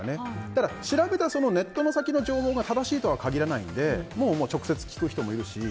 ただ調べたネットの先の情報が正しいとは限らないので直接聞く人もいるし。